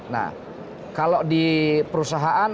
nah kalau di perusahaan